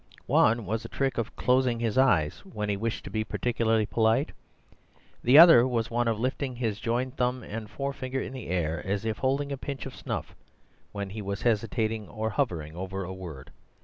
One was a trick of closing his eyes when he wished to be particularly polite; the other was one of lifting his joined thumb and forefinger in the air as if holding a pinch of snuff, when he was hesitating or hovering over a word.